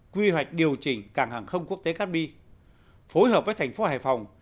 quy hoạch điều chỉnh cảng hàng không quốc tế cát bi phối hợp với thành phố hải phòng